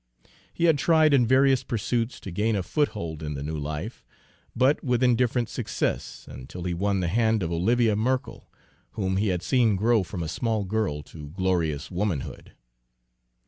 He had tried in various pursuits to gain a foothold in the new life, but with indifferent success until he won the hand of Olivia Merkell, whom he had seen grow from a small girl to glorious womanhood.